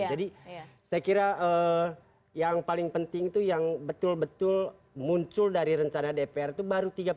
jadi saya kira yang paling penting itu yang betul betul muncul dari rencana dpr itu baru tiga puluh